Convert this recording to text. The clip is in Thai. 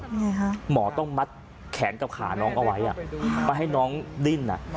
ยังไงคะหมอต้องมัดแขนกับขาน้องเอาไว้อ่ะไม่ให้น้องดิ้นอ่ะ